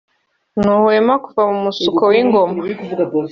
ntuhwema kuva mu musuko w’ingoma